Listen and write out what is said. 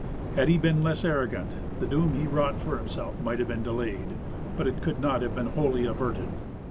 Had he been less arrogant, the doom he wrought for himself might have been delayed, but it could not have been wholly averted.